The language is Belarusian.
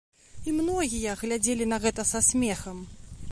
І многія глядзелі на гэта са смехам.